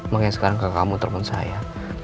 makanya sekarang kakak kamu telfon saya